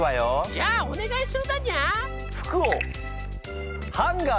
じゃあお願いするだにゃー。